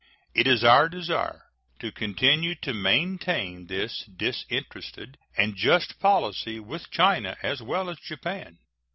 It is our desire to continue to maintain this disinterested and just policy with China as well as Japan.